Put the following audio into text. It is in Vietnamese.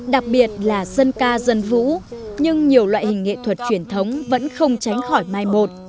đặc biệt là dân ca dân vũ nhưng nhiều loại hình nghệ thuật truyền thống vẫn không tránh khỏi mai một